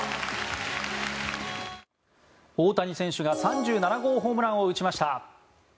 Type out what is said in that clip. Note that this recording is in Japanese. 大谷選手が３７号ホームランを打ちました。